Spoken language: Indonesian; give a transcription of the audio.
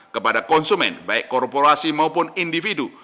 kepada konsumen baik korporasi maupun individu